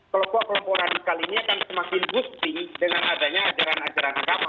kelompok kelompok radikal ini akan semakin gusti dengan adanya ajaran ajaran agama